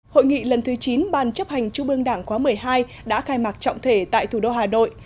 hội nghị lần thứ chín ban chấp hành trung ương đảng khóa một mươi hai đã khai mạc trọng thể tại thủ đô hà nội